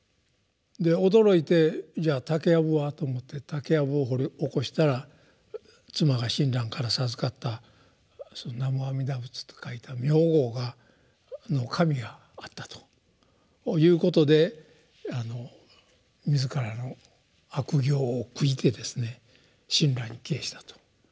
で驚いてじゃあ竹やぶはと思って竹やぶを掘り起こしたら妻が親鸞から授かった「南無阿弥陀仏」と書いた名号の紙があったということで自らの悪行を悔いてですね親鸞に帰依したと。